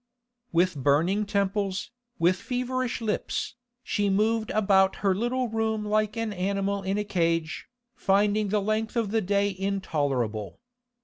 With burning temples, with feverish lips, she moved about her little room like an animal in a cage, finding the length of the day intolerable.